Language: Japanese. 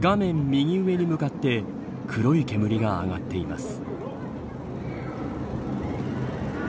右上に向かって黒い煙が上がっています。